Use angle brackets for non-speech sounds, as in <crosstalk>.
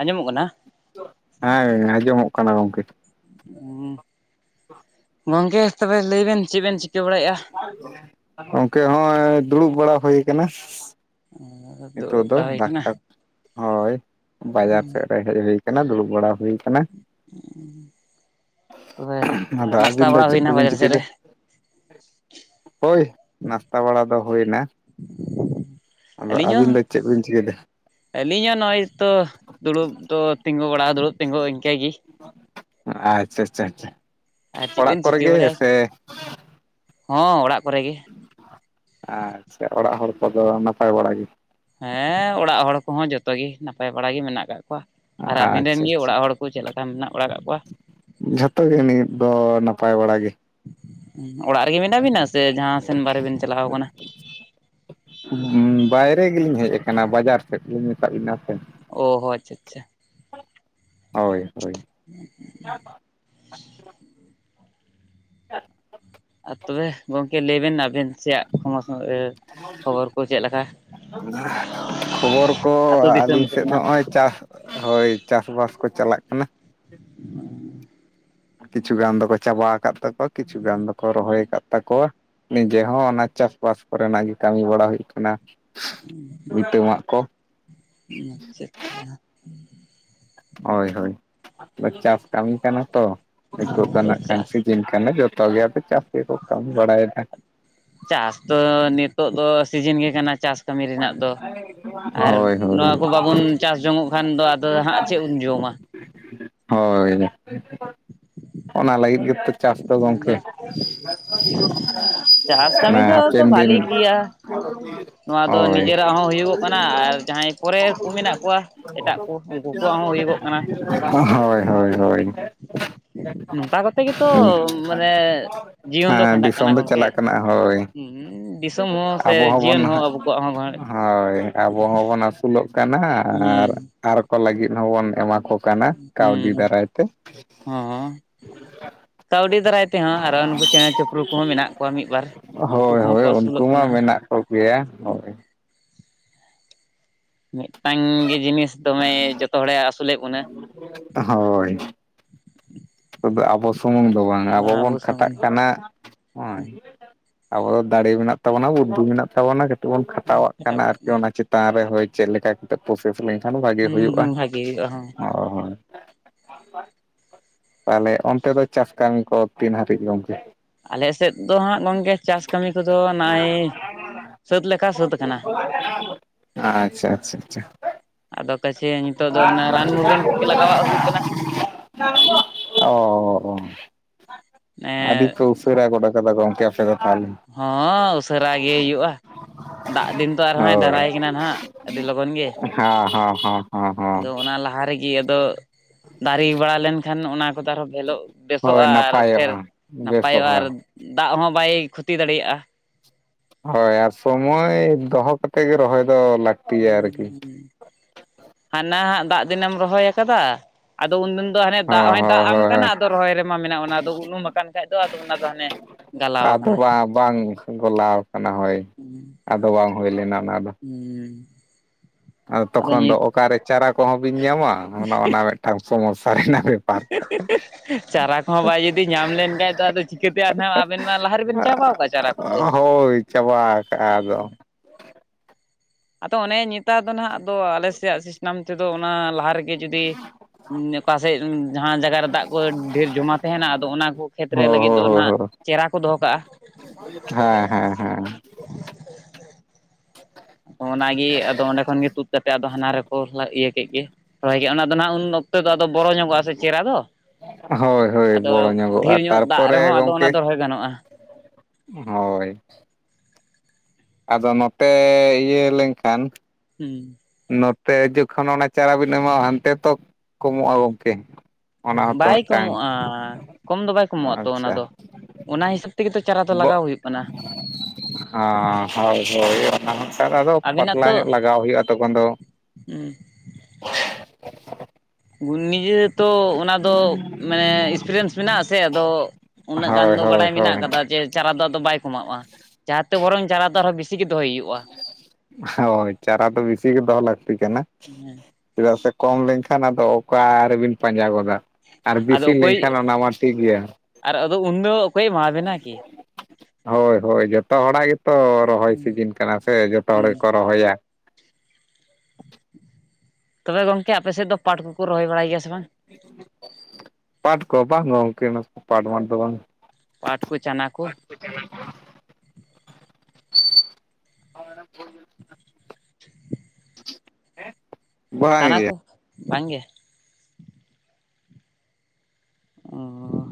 ᱟᱸᱡᱚᱢᱚᱜ ᱠᱟᱱᱟ ᱦᱮᱸ ᱟᱸᱡᱚᱢᱚᱜ ᱠᱟᱱᱟ ᱜᱚᱝᱠᱮ <unintelligible> <unintelligible> ᱜᱚᱝᱠᱮ ᱛᱚᱵᱮ ᱞᱟᱹᱭ ᱵᱮᱱ ᱪᱮᱜ ᱵᱮᱱ ᱪᱤᱠᱟᱹ ᱵᱟᱲᱟᱭᱮᱜᱼᱟ ᱜᱚᱝᱠᱮ ᱦᱚᱸᱜ-ᱚᱭ ᱫᱩᱲᱩᱵ ᱵᱟᱲᱟ ᱦᱩᱭ ᱠᱟᱱᱟ ᱱᱤᱛᱚᱜ ᱫᱩᱲᱩᱵ ᱫᱚ ᱵᱟᱲᱟ ᱦᱩᱭ ᱠᱟᱱᱟ ᱫᱟᱠᱟ ᱦᱳᱭ ᱵᱟᱡᱟᱨ ᱥᱮᱜ ᱨᱮ ᱦᱮᱡ ᱦᱩᱭ ᱟᱠᱟᱱᱟ ᱫᱩᱲᱩᱵ ᱵᱟᱲᱟ ᱦᱩᱭᱼᱼᱼ ᱛᱚᱵᱮ ᱟᱫᱚ ᱱᱟᱥᱛᱟ ᱟᱹᱵᱤᱱ ᱫᱚ ᱪᱮᱫ ᱵᱟᱲᱟ ᱠᱚᱵᱤᱱ ᱵᱟᱡᱟᱨ ᱥᱮᱜ ᱪᱤᱠᱟᱹᱭᱮᱫᱟ ᱨᱮ ᱦᱳᱭ ᱱᱟᱥᱛᱟ ᱵᱟᱲᱟ ᱫᱚ ᱦᱩᱭ ᱱᱟ ᱟᱹᱞᱤᱧ ᱦᱚ ᱫᱚ ᱪᱮᱫ ᱵᱤᱱ ᱪᱤᱠᱟᱹᱭᱮᱫᱟ ᱟᱹᱞᱤᱧ ᱦᱚᱸ ᱱᱚᱜᱼᱚᱭ ᱛᱚ ᱫᱩᱲᱩᱵ ᱫᱚ ᱛᱤᱸᱜᱩ ᱵᱟᱲᱟ ᱫᱩᱲᱩᱜ ᱛᱤᱸᱜᱩ ᱤᱱᱠᱟᱹ ᱜᱤ ᱟᱪᱪᱷᱟ ᱟᱪᱪᱷᱟ ᱟᱪᱪᱷᱟ ᱟᱨ ᱪᱮᱫ ᱚᱲᱟᱜ ᱵᱮᱱ ᱠᱚᱨᱮ ᱪᱤᱠᱟᱹ ᱜᱮ ᱵᱟᱲᱟᱭᱟ ᱥᱮ ᱦᱚᱸ ᱚᱲᱟᱜ ᱠᱚᱨᱮ ᱜᱤ ᱟᱪᱪᱷᱟ ᱚᱲᱟᱜ ᱦᱚᱲ ᱠᱚᱫᱚ ᱱᱟᱯᱟᱭ ᱵᱟᱲᱟ ᱜᱮ ᱦᱮᱸ ᱚᱲᱟᱜ ᱦᱚᱲ ᱠᱚᱦᱚᱸ ᱡᱚᱛᱚ ᱜᱮ ᱱᱟᱯᱟᱭ ᱵᱟᱲᱟ ᱜᱮ ᱢᱮᱱᱟᱜ ᱠᱟᱜ ᱠᱚᱣᱟ ᱟᱨ ᱟᱵᱤᱱ ᱨᱮᱱ ᱟᱪᱪᱷᱟ ᱜᱮ ᱟᱪᱪᱷᱟ ᱚᱲᱟᱜ ᱦᱚᱲ ᱠᱚ ᱪᱮᱫ ᱞᱮᱠᱟ ᱢᱮᱱᱟᱜ ᱵᱟᱲᱟ ᱠᱟᱜ ᱠᱚᱣᱟ ᱡᱷᱚᱛᱚ ᱜᱮ ᱱᱤᱫ ᱫᱚ ᱱᱟᱯᱟᱭ ᱵᱟᱲᱟ ᱜᱮ᱾ ᱚᱲᱟᱜ ᱨᱮᱜᱮ ᱢᱮᱱᱟᱜ ᱵᱤᱱᱟ ᱥᱮ ᱡᱟᱦᱟᱸ ᱥᱮᱱ ᱵᱟᱨᱮ ᱵᱮᱤᱱ ᱪᱟᱞᱟᱣ ᱠᱟᱱᱟ? ᱵᱟᱭᱨᱮ ᱜᱮᱞᱤᱧ ᱦᱮᱡ ᱠᱟᱱᱟ ᱵᱟᱡᱟᱨ ᱥᱮᱫ ᱞᱤᱧ ᱢᱮᱛᱟᱜ ᱵᱤᱱᱟ ᱥᱮ᱾ ᱚᱦᱚ ᱟᱪᱪᱷᱟ ᱟᱪᱪᱷᱟ᱾ ᱦᱳᱭ ᱦᱳᱭ᱾ <inaudible> <inaudible> ᱟᱨ ᱛᱚᱵᱮ ᱜᱚᱝ ᱠᱟᱹᱡ ᱞᱟᱹᱭ ᱵᱮᱱ ᱟᱵᱮᱱ ᱥᱮᱭᱟᱜ <unintelligible> ᱠᱷᱚᱵᱚᱨ ᱠᱚ ᱪᱮᱜ ᱞᱮᱠᱟ? ᱠᱷᱚᱵᱚᱨ ᱠᱚ ᱟᱹᱛᱩ ᱫᱤᱥᱚᱢ ᱟᱞᱤᱧ ᱥᱮᱜ ᱫᱚ ᱠᱚᱨᱮᱱᱟᱜ ᱦᱚᱸᱜᱼᱚᱭ ᱪᱟᱥ ᱦᱳᱭ ᱪᱟᱥ ᱵᱟᱥ ᱠᱚ ᱪᱟᱞᱟᱜ ᱠᱟᱱᱟ᱾ ᱠᱤᱪᱷᱩ ᱜᱟᱱ ᱫᱚᱠᱚ ᱪᱟᱵᱟᱣ ᱠᱟᱫ ᱛᱟᱠᱚᱣᱟ ᱠᱤᱪᱷᱩ ᱜᱟᱱ ᱫᱚᱠᱚ ᱨᱚᱦᱚᱭ ᱠᱟᱫ ᱛᱟᱠᱚᱣᱟ, ᱱᱤᱡᱮ ᱦᱚᱸ ᱚᱱᱟ ᱪᱟᱥ ᱵᱟᱥ ᱠᱚᱨᱮᱱᱟᱜ ᱜᱮ ᱠᱟᱹᱢᱤ ᱵᱟᱲᱟ ᱦᱩᱭᱩᱜ ᱠᱟᱱᱟ᱾ ᱵᱷᱤᱛᱟᱹ ᱢᱟᱜ ᱠᱚ᱾ ᱩᱸ ᱟᱪᱪᱷᱟ ᱟᱪᱪᱷᱟ ᱦᱳᱭ ᱦᱳᱭ ᱫᱚ ᱪᱟᱥ ᱠᱟᱹᱢᱤ ᱠᱟᱱᱟ ᱛᱚ ᱱᱤᱛᱚᱜ ᱦᱚᱸ ᱫᱚ ᱛᱚ ᱱᱟᱜ ᱠᱷᱟᱱ ᱪᱟᱥ ᱥᱤᱡᱤᱱ ᱠᱟᱱᱟ ᱡᱚᱛᱚ ᱜᱮ ᱟᱫᱚ ᱪᱟᱹᱥ ᱜᱮᱠᱚ ᱠᱟᱹᱢᱤ ᱵᱟᱲᱟᱭᱫᱟ ᱾ ᱪᱟᱥ ᱫᱚ ᱱᱤᱛᱚᱜ ᱫᱚ ᱥᱤᱡᱤᱱ ᱜᱮ ᱠᱟᱱᱟ ᱪᱟᱥ ᱠᱟᱹᱢᱤ ᱨᱮᱱᱟᱜ ᱫᱚ ᱟᱨ ᱦᱳᱭ ᱦᱳᱭ ᱱᱚᱣᱟ ᱠᱚ ᱵᱟᱵᱚᱱ ᱪᱟᱥ ᱡᱚᱝᱚᱜ ᱠᱷᱟᱱ ᱫᱚ ᱟᱫᱚ ᱦᱟᱸᱜ ᱪᱮᱛ ᱵᱚᱱ ᱡᱚᱢᱟ? ᱦᱳᱭ ᱚᱱᱟ ᱞᱟᱹᱜᱤᱫ ᱜᱮᱛᱚ ᱪᱟᱥ ᱫᱚ ᱜᱚᱝᱠᱮ᱾ ᱪᱟᱥ <inaudible> ᱢᱮ ᱠᱟᱹᱢᱤ ᱫᱚ ᱛᱚ ᱦᱟᱯᱮᱱ ᱫᱤᱱ ᱵᱷᱟᱞᱤ ᱜᱮᱭᱟ ᱱᱚᱣᱟ ᱫᱚ ᱦᱳᱭ ᱱᱤᱡᱮᱨᱟᱜ ᱦᱚᱸ ᱦᱩᱭᱩᱜᱚᱜ ᱠᱟᱱᱟ ᱟᱨ ᱡᱟᱦᱟᱸᱭ ᱯᱚᱨᱮᱨ ᱠᱚ ᱢᱮᱱᱟᱜ ᱠᱚᱣᱟ ᱮᱴᱟᱜ ᱠᱩ ᱩᱝᱠᱩ ᱠᱚᱣᱟᱜ ᱦᱚᱸᱦᱩᱭᱩᱜᱚᱜ ᱠᱟᱱᱟ ᱾ ᱦᱳᱭ ᱦᱳᱭ ᱦᱳᱭ ᱾ ᱱᱚᱝᱠᱟ ᱠᱚᱛᱮ ᱜᱮᱛᱚ ᱢᱟᱱᱮ ᱡᱤᱭᱚᱱ ᱫᱚ ᱠᱷᱟᱸᱰᱟᱜ ᱫᱤᱥᱚᱢ ᱠᱟᱱᱟ ᱫᱚ ᱜᱚᱝᱠᱮ ᱪᱟᱞᱟᱜ ᱾ ᱠᱟᱱᱟ ᱦᱳᱭ ᱩᱸ ᱫᱤᱥᱚᱢ ᱦᱚᱸ ᱥᱮ ᱡᱤᱭᱚᱱ ᱦᱚᱸ ᱟᱵᱚ ᱠᱚᱣᱟᱜ ᱦᱚᱸ ᱦᱚᱭ ᱟᱵᱚ ᱦᱚᱸᱵᱚᱱ ᱟᱹᱥᱩᱞᱚᱜ ᱠᱟᱱᱟ ᱦᱩᱸ ᱟᱨ ᱟᱨ ᱠᱚ ᱞᱟᱹᱜᱤᱫ ᱦᱚᱸᱵᱚᱱ ᱮᱢᱟ ᱠᱚ ᱠᱟᱱᱟ ᱦᱩᱸ ᱠᱟᱹᱣᱰᱤ ᱫᱟᱨᱟᱭ ᱛᱮ ᱦᱚᱸ ᱠᱟᱹᱣᱰᱤ ᱫᱟᱨᱟᱭ ᱛᱮᱦᱚᱸ ᱟᱨᱚ ᱱᱩᱠᱩ ᱪᱮᱬᱮ ᱪᱤᱯᱨᱩ ᱠᱚᱦᱚᱸ ᱢᱮᱱᱟᱜ ᱠᱚᱣᱟ ᱢᱤᱫ ᱵᱟᱨ <inaudible> ᱩᱱᱠᱩ ᱦᱳᱭ ᱠᱚᱦᱚᱸ ᱦᱳᱭ ᱠᱚ ᱩᱱᱠᱩ ᱟᱹᱥᱩᱞᱚᱜ ᱢᱟ ᱠᱟᱱᱟ ᱢᱮᱱᱟᱜ ᱠᱚ ᱜᱮᱭᱟ ᱦᱳᱭ ᱢᱤᱫᱴᱟᱝ ᱜᱮ ᱡᱤᱱᱤᱥ ᱫᱚᱢᱮ ᱡᱚᱛᱚ ᱦᱚᱲᱮ ᱟᱹᱥᱞᱮᱜ ᱵᱚᱱᱟ ᱾ ᱦᱳᱭ ᱛᱚᱵᱮ ᱟᱵᱚ ᱥᱩᱢᱩᱝ ᱫᱚ ᱵᱟᱝ ᱟᱵᱚ ᱵᱚᱱ ᱠᱷᱟᱴᱟᱜ ᱠᱟᱱᱟ ᱚᱸᱭ ᱟᱵᱚ ᱫᱚ ᱫᱟᱲᱮ ᱢᱮᱱᱟᱜ ᱛᱟᱵᱚᱱᱟ ᱵᱩᱫᱷᱤ ᱢᱮᱱᱟᱜ ᱛᱟᱵᱚᱱᱟ ᱠᱟᱹ ᱛᱮᱵᱚᱱ ᱠᱷᱟᱴᱟᱣᱟᱜ ᱠᱟᱱᱟ ᱟᱨᱠᱤ ᱚᱱᱟ ᱪᱮᱛᱟᱱ ᱨᱮ ᱦᱳᱭ ᱪᱮᱫ ᱞᱮᱠᱟ ᱛᱮ ᱯᱨᱥᱮᱥ ᱞᱮᱱ ᱠᱷᱟᱱ ᱵᱷᱟᱜᱮ ᱦᱩᱭᱩᱜᱼᱟ ᱦᱩᱸ ᱵᱷᱟᱜᱤ ᱦᱩᱭᱩᱜᱼᱟ ᱦᱚᱸ ᱦᱳᱭ ᱦᱳᱭ ᱛᱟᱦᱞᱮ ᱚᱱᱛᱮ ᱫᱚ ᱪᱟᱥ ᱠᱟᱹᱢᱤ ᱠᱚ ᱛᱤᱱ ᱦᱟᱹᱨᱤᱡ ᱜᱚᱝᱠᱮ? ᱟᱞᱮ ᱥᱮᱫ ᱫᱚ ᱦᱟᱸᱜ ᱜᱚᱝᱠᱮ ᱪᱟᱥ ᱠᱟᱹᱢᱤ ᱠᱚᱫᱚ ᱱᱟᱜᱼᱚᱭ ᱥᱟᱹᱛ ᱞᱮᱠᱟ ᱥᱟᱹᱛ ᱠᱟᱱᱟ ᱾ ᱟᱪᱪᱷᱟ ᱟᱪᱪᱷᱟ ᱟᱫᱚ ᱠᱟᱪᱷᱮ ᱱᱤᱛᱚᱜ ᱫᱚ ᱚᱱᱟ ᱨᱟᱱ ᱟᱪᱪᱷᱟ᱾ ᱢᱩᱨᱜᱟᱹᱱ ᱠᱚᱜᱮ ᱞᱟᱜᱟᱣᱟᱜ ᱦᱩᱭᱩᱜ ᱠᱟᱱᱟ <inaudible> <inaudible> ᱚ ᱚ ᱟᱹᱰᱤ ᱮᱸ ᱯᱮ ᱩᱥᱟᱹᱨᱟ ᱜᱚᱫ ᱟ ᱠᱟᱫᱟ ᱜᱚᱝᱠᱮ ᱟᱯᱮ ᱫᱚ ᱛᱟᱦᱞᱮ᱾ ᱦᱚᱸ ᱩᱥᱟᱹᱨᱟᱭ ᱜᱮᱭ ᱦᱩᱭᱩᱜᱼᱟ ᱾ ᱫᱟᱜ ᱫᱤᱱ ᱛᱚ ᱟᱨᱦᱚᱸᱭ ᱫᱟᱨᱟᱭ ᱠᱟᱱᱟ ᱱᱟᱦᱟᱜ ᱟᱹᱰᱤ ᱞᱚᱜᱚᱱ ᱜᱮ᱾ ᱦᱚᱸ ᱦᱚᱸ ᱦᱚᱸ᱾ ᱟᱫᱚ ᱚᱱᱟ ᱞᱟᱦᱟ ᱨᱮᱜᱮ ᱟᱫᱚ ᱫᱟᱨᱮ ᱵᱟᱲᱟ ᱞᱮᱱᱠᱷᱟᱱ ᱚᱱᱟᱼᱼ ᱟᱨᱦᱚᱸᱚᱜ ᱦᱳᱭ ᱵᱮᱥᱚᱜᱼᱟ ᱟᱨ ᱯᱷᱮᱨ ᱱᱟᱯᱟᱭᱚᱜᱼᱟ ᱱᱟᱯᱟᱭᱚᱜᱼᱟ ᱟᱨᱼᱼ ᱵᱮᱥᱚᱜᱼᱟ ᱫᱟᱜ ᱦᱚᱸ ᱵᱟᱭ ᱠᱷᱚᱛᱤ ᱫᱟᱲᱮᱭᱟᱜᱼᱟ ᱾ ᱦᱳᱭ ᱟᱨ ᱥᱚᱢᱚᱭ ᱫᱚᱦᱚ ᱠᱟᱛᱮᱫ ᱜᱮ ᱨᱚᱦᱚᱭ ᱫᱚ ᱞᱟᱹᱠᱛᱤᱼᱼ ᱦᱟᱱᱟ ᱦᱟᱸᱜ ᱫᱟᱜ ᱫᱤᱱᱮᱢ ᱨᱚᱦᱚᱭ ᱠᱟᱫᱟ ᱟᱫᱚ ᱩᱱᱫᱤᱱ ᱫᱚ ᱦᱟᱱᱮ ᱫᱟᱜ ᱦᱳᱭ ᱦᱚᱭ ᱫᱟᱜ ᱟᱢ ᱦᱳᱭ ᱠᱟᱱᱟ ᱦᱳᱭ ᱟᱫᱚ ᱨᱚᱦᱚᱭ ᱨᱮᱢᱟ ᱢᱮᱱᱟᱜᱼᱟ ᱚᱱᱟ ᱟᱫᱚ ᱩᱱᱩᱢ ᱟᱠᱟᱱ ᱠᱷᱟᱱᱡ ᱫᱚ ᱟᱫᱚ ᱚᱱᱟ ᱫᱚ ᱦᱟᱱᱮ ᱜᱟᱞᱟᱣ ᱟᱫᱚ ᱟᱠᱟᱱᱟ᱾ ᱵᱟᱝ ᱵᱟᱝ ᱜᱚᱞᱟᱣ ᱠᱟᱱᱟ ᱦᱳᱭ ᱟᱫᱚ ᱵᱟᱝ ᱦᱳᱭ ᱞᱮᱱᱟ ᱚᱱᱟ ᱫᱚ ᱦᱩᱸ᱾ ᱟᱫᱚ ᱛᱚᱠᱷᱚᱱ ᱫᱚ ᱚᱠᱟᱨᱮ ᱪᱟᱨᱟ ᱠᱚᱦᱚᱸ ᱵᱤᱱ ᱧᱟᱢᱟ ᱚᱱᱮ ᱚᱱᱟ ᱢᱤᱫᱴᱟᱝ ᱥᱚᱢᱚᱥᱥᱟ ᱨᱮᱱᱟᱜ ᱵᱮᱯᱟᱨ <unintelligible> ᱪᱟᱨᱟ ᱠᱚᱦᱚᱸ ᱵᱟᱭ ᱡᱩᱫᱤ ᱧᱟᱢ ᱞᱮᱱᱠᱟᱱᱡ ᱫᱚ ᱟᱫᱚ ᱪᱤᱠᱟᱹᱛᱮ ᱱᱟᱦᱜ ᱟᱵᱮᱱ ᱢᱟ ᱞᱟᱦᱟ ᱨᱮᱵᱮᱱ ᱪᱟᱵᱟᱠᱟᱜᱼᱟ ᱪᱟᱨᱟ ᱠᱚᱫᱚ᱾ ᱪᱟᱵᱟᱣ ᱠᱟᱜᱼᱟ ᱟᱫᱚᱸ ᱟᱫᱚ ᱚᱱᱮ ᱱᱮᱛᱟᱨ ᱫᱚ ᱱᱟᱦᱟᱜ ᱟᱫᱚ ᱟᱞᱮ ᱥᱮᱫᱟᱜ ᱥᱤᱥᱴᱮᱢ ᱛᱮᱫᱚ ᱚᱱᱟ ᱞᱟᱦᱟ ᱨᱮᱜᱮ ᱡᱩᱫᱤ ᱚᱠᱟᱥᱮᱫ ᱡᱟᱦᱟᱸ ᱡᱟᱭᱜᱟ ᱨᱮ ᱫᱟᱜ ᱠᱚ ᱰᱷᱮᱨ ᱡᱚᱢᱟ ᱛᱟᱦᱮᱱᱟ ᱟᱫᱚ ᱚᱱᱟ ᱠᱚ ᱠᱷᱮᱛᱨᱮ ᱦᱳᱭ ᱞᱟᱹᱜᱤᱫ ᱦᱳᱭ ᱫᱚ ᱦᱳᱭ ᱱᱟᱜ ᱦᱳᱭ ᱪᱮᱨᱟ ᱠᱚ ᱫᱚᱦᱚ ᱠᱟᱜᱼᱟ᱾ ᱦᱮᱸ ᱦᱮᱸ ᱦᱮᱸ᱾ ᱚᱱᱟᱜᱮ ᱟᱫᱚ ᱚᱸᱰᱮ ᱠᱷᱚᱱᱜᱮ ᱛᱩᱫ ᱠᱟᱛᱮᱫ ᱟᱫᱚ ᱦᱟᱱᱟ ᱨᱮᱠᱚ ᱤᱭᱟᱹ ᱠᱮᱫ ᱜᱮ ᱨᱚᱦᱚᱭ ᱠᱮᱫᱼᱟ ᱚᱱᱟ ᱫᱚ ᱦᱟᱸᱜ ᱩᱱᱼᱼ ᱱᱚᱱᱛᱮᱫᱚ ᱟᱫᱚ ᱵᱚᱨᱚ ᱧᱚᱜᱚᱜᱼᱟ ᱥᱮ ᱪᱮᱫ ᱟᱫᱚᱼᱼ ᱦᱳᱭ ᱦᱳᱭ ᱵᱚᱲᱚ ᱧᱚᱜᱚᱜᱼᱟ ᱧᱚᱜ ᱫᱟᱜ ᱛᱟᱨᱯᱚᱨᱮ ᱨᱮᱦᱚᱸ ᱟᱫᱚ ᱜᱚᱝᱠᱮ ᱚᱱᱟ ᱫᱚ ᱨᱚᱦᱚᱭ ᱜᱟᱱᱚᱜᱼᱟ ᱦᱳᱭ᱾ ᱟᱫᱚ ᱱᱚᱛᱮ ᱤᱭᱟᱹ ᱞᱮᱱᱠᱷᱟᱱ ᱦᱩᱸ᱾ ᱱᱚᱛᱮ ᱡᱚᱠᱷᱚᱱ ᱚᱱᱟ ᱪᱟᱨᱟ ᱵᱤᱱ ᱮᱢᱟᱜᱣᱟᱜᱼᱟ ᱦᱟᱱᱛᱮ ᱛᱚ ᱠᱚᱢᱚᱜᱼᱟ ᱜᱚᱢᱠᱮ᱾ ᱚᱱᱟ ᱦᱚᱸᱛᱚ ᱵᱟᱭ ᱢᱤᱫᱴᱟᱝ ᱠᱚᱢᱚᱜᱼᱟ ᱠᱚᱢ ᱫᱚ ᱵᱟᱭ ᱠᱚᱢᱚᱜᱼᱟ ᱛᱚ ᱚᱱᱟ ᱫᱚ ᱟᱪᱪᱷᱟ ᱚᱱᱟ ᱦᱤᱥᱟᱹᱵᱽ ᱛᱮᱜᱮ ᱛᱚ ᱪᱟᱨᱟ ᱫᱚ ᱞᱟᱜᱟᱣ ᱵᱚᱜ ᱦᱩᱭᱩᱜ ᱠᱟᱱᱟ᱾ ᱦᱳᱭ ᱦᱳᱭ ᱚᱱᱟ ᱦᱚᱸ ᱠᱷᱟᱱ ᱟᱫᱚ ᱟᱵᱤᱱᱟᱜ ᱯᱟᱛᱞᱟ ᱛᱚ ᱧᱚᱜ ᱞᱟᱜᱟᱣ ᱦᱳᱭᱳᱜᱼᱟ᱾ ᱦᱮᱞᱳ ᱦᱩᱸ᱾ ᱜᱩᱱ ᱱᱤᱡᱮ ᱛᱚ ᱚᱱᱟ ᱫᱚ ᱢᱟᱱᱮ ᱮᱠᱥᱯᱮᱨᱤᱭᱮᱱᱥ ᱢᱮᱱᱟᱜᱼᱟ ᱥᱮ ᱟᱫᱚᱼᱼ ᱩᱱᱟᱹᱜ ᱜᱟᱱ ᱦᱳᱭ ᱫᱚ ᱦᱳᱭ ᱵᱟᱰᱟᱭ ᱢᱮᱱᱟᱜ ᱦᱳᱭ ᱠᱟᱫᱟ ᱡᱮ ᱪᱟᱨᱟ ᱫᱚ ᱟᱫᱚ ᱵᱟᱭ ᱠᱚᱢᱟᱜᱼᱟ ᱡᱟᱦᱟᱸ ᱛᱮ ᱵᱚᱨᱚᱝ ᱪᱟᱨᱟ ᱫᱚ ᱟᱨᱦᱚᱸ ᱱᱮᱥᱤ ᱛᱮ ᱜᱮ ᱫᱚᱦᱚᱭ ᱦᱩᱭᱩᱜᱼᱟ᱾ ᱦᱳᱭ ᱪᱟᱨᱟ ᱫᱚ ᱵᱮᱥᱤ ᱜᱮ ᱫᱚᱦᱚ ᱞᱟᱹᱠᱛᱤ ᱠᱟᱱᱟ᱾ ᱦᱮᱸ ᱪᱮᱫᱟᱜ ᱥᱮ ᱠᱚᱢ ᱞᱮᱱᱠᱷᱟᱱ ᱟᱫᱚ ᱚᱠᱟ ᱨᱮᱵᱤᱱ ᱯᱟᱸᱡᱟ ᱜᱚᱫᱟ᱾ ᱟᱨ ᱵᱮᱥᱤ ᱟᱫᱚ ᱚᱠᱚᱭ ᱞᱮᱱᱠᱷᱟᱱ ᱚᱱᱟ ᱢᱟ ᱴᱷᱤᱠ ᱜᱮᱭᱟ᱾ ᱟᱨ ᱟᱫᱮᱣ ᱩᱱᱫᱚ ᱚᱠᱚᱭᱮ ᱮᱢᱟ ᱵᱮᱱᱟ ᱠᱤ? ᱦᱳᱭ ᱦᱳᱭ ᱡᱚᱛᱚ ᱦᱚᱲᱟᱜ ᱜᱮᱛᱚ ᱨᱚᱦᱚᱭ ᱥᱤᱡᱤᱱ ᱠᱟᱱᱟ ᱥᱮ ᱡᱚᱛᱚ ᱦᱚᱲ ᱦᱩᱸ ᱜᱮᱠᱚ ᱨᱚᱦᱚᱭᱟ᱾ ᱛᱚᱵᱮ ᱜᱚᱝᱠᱮ ᱟᱯᱮ ᱥᱮᱫ ᱫᱚ ᱯᱟᱴ ᱠᱚᱠᱚ ᱨᱚᱦᱚᱭ ᱵᱟᱲᱟᱭ ᱜᱮᱭᱟ ᱥᱮ ᱵᱟᱝ? ᱯᱟᱴ ᱠᱚ ᱵᱟᱝ ᱜᱚᱢᱠᱮ ᱯᱟᱴ ᱢᱟᱴ ᱫᱚ ᱵᱟᱝ᱾ ᱯᱟᱴ ᱠᱚ ᱪᱟᱱᱟ ᱠᱚ᱾ <inaudible> ᱪᱟᱱᱟ ᱜᱮ ᱠᱚ ᱵᱟᱝᱜᱮ᱾ ᱚ